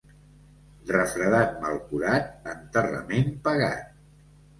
Refredat mal curat, enterrament pagat.